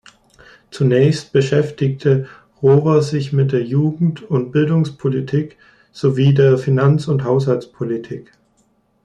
Zunächst beschäftigte Rohwer sich mit der Jugend- und Bildungspolitik sowie der Finanz- und Haushaltspolitik.